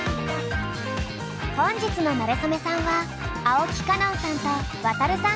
本日のなれそめさんは青木歌音さんとワタルさん